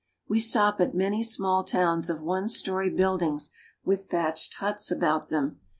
We stop at many small towns of one story buildings with thatched huts about them.